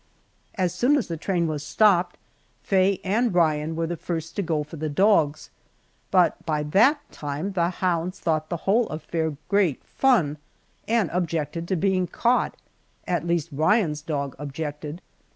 As soon as the train was stopped Faye and Ryan were the first to go for the dogs, but by that time the hounds thought the whole affair great fun and objected to being caught at least Ryan's dog objected.